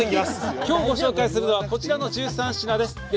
今日ご紹介するのはこちらの１３品です。